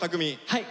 はい。